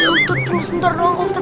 ustadz cuma sebentar doang pak ustadz